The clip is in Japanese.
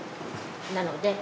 なので。